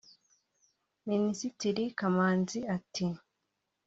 Minisitiri Kamanzi ati